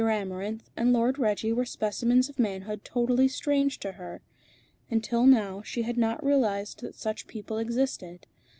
Amarinth and Lord Reggie were specimens of manhood totally strange to her until now she had not realised that such people existed.